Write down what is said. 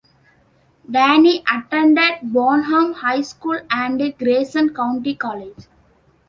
Danny attended Bonham High School and Grayson County College.